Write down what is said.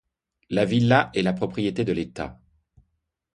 La villa est la propriété de l'État.